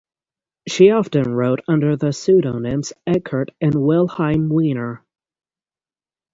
She often wrote under the pseudonyms "Eckert" and "Wilhelm Wiener".